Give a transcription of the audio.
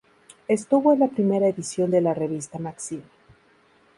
Estuvo en la primera edición de la revista "Maxim".